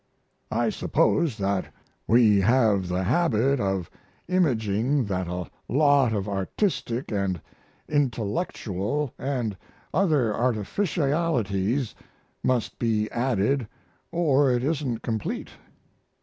I suppose that we have the habit of imagining that a lot of artistic & intellectual & other artificialities must be added or it isn't complete.